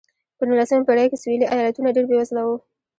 په نولسمې پېړۍ کې سوېلي ایالتونه ډېر بېوزله وو.